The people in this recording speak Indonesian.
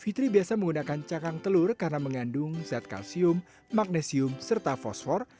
fitri biasa menggunakan cakang telur karena mengandung zat kalsium magnesium serta fosfor